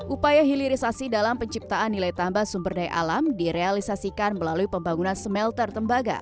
upaya hilirisasi dalam penciptaan nilai tambah sumber daya alam direalisasikan melalui pembangunan smelter tembaga